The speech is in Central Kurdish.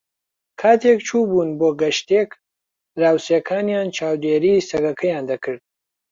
کاتێک چوو بوون بۆ گەشتێک، دراوسێکانیان چاودێریی سەگەکەیان دەکرد.